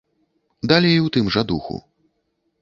Далей у тым жа духу.